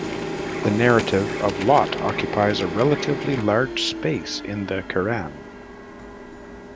The narrative of Lot occupies a relatively large space in the Quran.